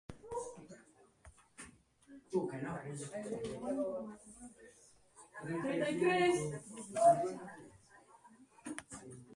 Diagraman ere Merkurioren tamaina aldakorra da Eguzkiarekiko duen distantziaren arabera.